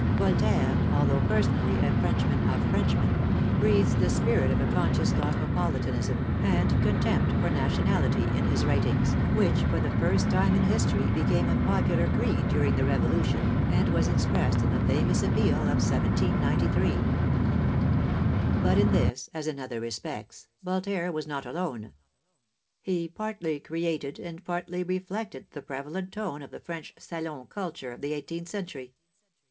Voltaire, although personally a Frenchman of Frenchmen, breathes the spirit of a conscious cosmo politanism and contempt for nationality in his writ ings, which for the first time in history became a popular creed during the Revolution, and was expressed in the famous appeal of 1793. But in this, as in other respects, Voltaire was not alone. He partly created and partly reflected the prevalent tone of the French salon culture of the eighteenth century.